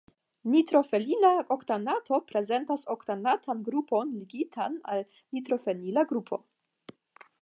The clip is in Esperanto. Nitrofenila oktanato prezentas oktanatan grupon ligitan al nitrofenila grupo.